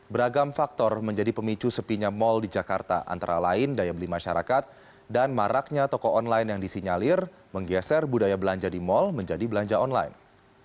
beragam faktor menjadi pemicu sepinya mal di jakarta antara lain daya beli masyarakat dan maraknya toko online yang disinyalir menggeser budaya belanja di mal menjadi belanja online